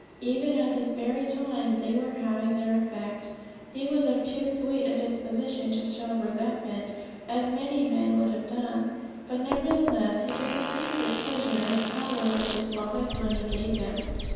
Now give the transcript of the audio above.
Even at this very time they were having their effect. He was of too sweet a disposition to show resentment, as many men would have done. But nevertheless he took a secret pleasure in the power which his father's money gave him.